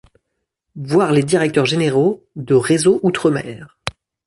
Voir les directeurs généraux de Réseau Outre-Mer.